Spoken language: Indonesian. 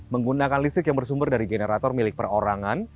menggunakan listrik yang bersumber dari generator milik perorangan